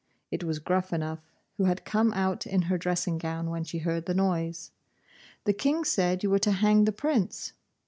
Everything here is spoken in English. It was Gruffanuff, who had come out in her dressing gown when she heard the noise. 'The King said you were to hang the Prince.